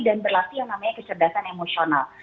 dan berlatih yang namanya kecerdasan emosional